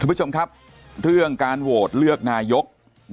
คุณผู้ชมครับเรื่องการโหวตเลือกนายก